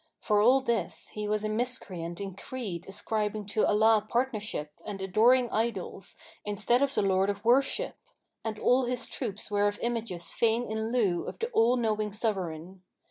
For all this, he was a miscreant in creed ascribing to Allah partnership and adoring idols, instead of the Lord of worship; and all his troops were of images fain in lieu of the All knowing Sovereign.